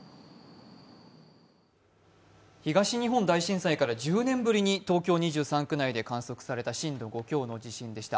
東日本大震災から１０年ぶりに東京２３区内で観測された震度５強の地震でした。